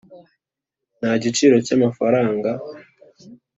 nta giciro cy’amafaranga